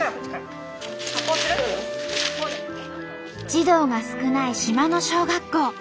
児童が少ない島の小学校。